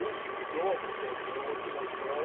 じゃあだいたいあってました。